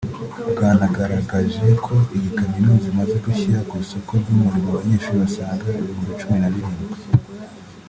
Bwanagaragaje ko iyi kaminuza imaze gushyira ku isoko ry’umurimo abanyeshuri basaga ibihumbi cumi na birindwi